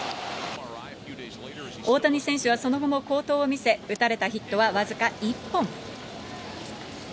大谷選手はその後も好投を見せ、打たれたヒットは僅か１本。